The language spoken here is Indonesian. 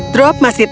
drop masih takut